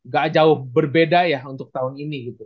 ga jauh berbeda ya untuk tahun ini